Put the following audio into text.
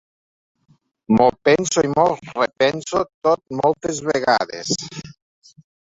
M'ho penso i m'ho repenso tot moltes vegades.